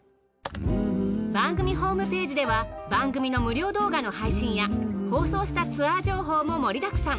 番組ホームページでは番組の無料動画の配信や放送したツアー情報も盛りだくさん。